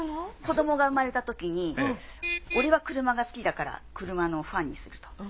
子どもが生まれたときに俺は車が好きだから車のファンにすると。